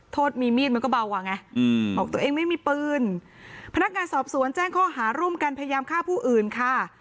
โทษมีมีดมันก็เบากว่าไงบอกตัวเองไม่มีปืนพนักงานสอบสวนแจ้งข้อหาร่วมกันพยายามฆ่าผู้อื่นค่ะ